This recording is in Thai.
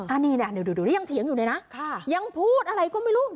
อันนี้เนี่ยเดี๋ยวนี้ยังเถียงอยู่เลยนะยังพูดอะไรก็ไม่รู้